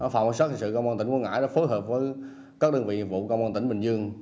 phòng cảnh sát hình sự công an tỉnh quảng ngãi đã phối hợp với các đơn vị nghiệp vụ công an tỉnh bình dương